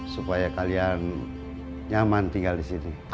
supaya kalian nyaman tinggal di sini